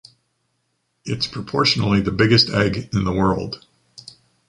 It’s proportionally the biggest egg in the world.